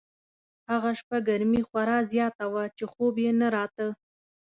هغه شپه ګرمي خورا زیاته وه چې خوب یې نه راته.